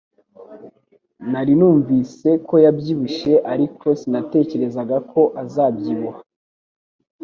Nari numvise ko yabyibushye, ariko sinatekerezaga ko azabyibuha